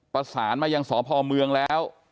ประสานมายังสพเมืองแล้ว